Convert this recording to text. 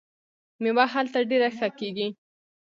میوه هلته ډیره ښه کیږي.